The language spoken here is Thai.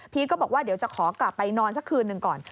ก็บอกว่าเดี๋ยวจะขอกลับไปนอนสักคืนหนึ่งก่อน